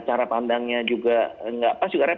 karena teman teman di bpjs itu juga tidak pas juga repot